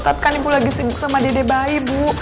tadikan ibu lagi sibuk sama dede bayi bu